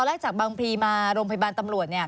หลังจากบางปีมาโรงพยาบาลตำรวจเนี่ย